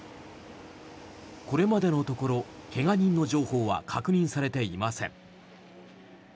これまでのところ怪我人の情報は確認されていません。